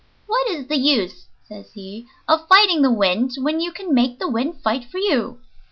"What is the use," says he, "of fighting the wind when you can make the wind fight for you?